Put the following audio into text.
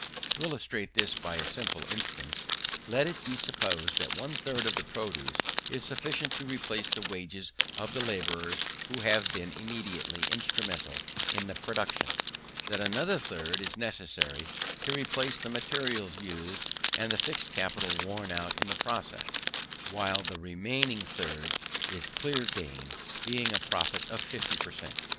To illustrate this by a simple instance, let it be supposed that one third of the produce is sufficient to replace the wages of the labourers who have been immediately instrumental in the production; that another third is necessary to replace the materials used and the fixed capital worn out in the process; while the remaining third is clear gain, being a profit of 50 per cent.